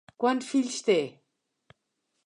Quants fills té?